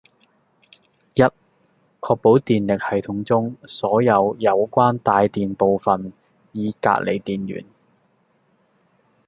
（一）確保電力系統中所有有關帶電部分已隔離電源